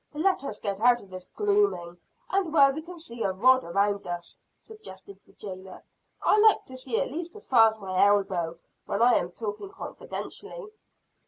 "Let us get out of this glooming, and where we can see a rod around us," suggested the jailer. "I like to see at least as far as my elbow, when I am talking confidentially."